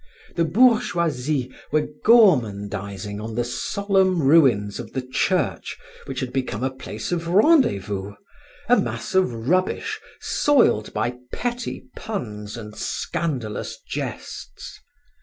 The bourgeoisie were gormandizing on the solemn ruins of the Church which had become a place of rendez vous, a mass of rubbish, soiled by petty puns and scandalous jests.